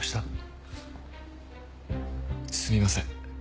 すみません。